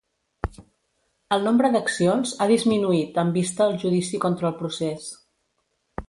El nombre d'accions ha disminuït amb vista al judici contra el procés.